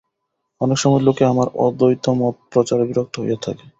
অনেক সময় লোকে আমার অদ্বৈতমত-প্রচারে বিরক্ত হইয়া থাকে।